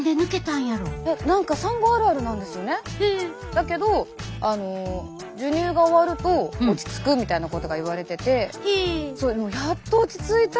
だけど授乳が終わると落ち着くみたいなことが言われててやっと落ち着いた。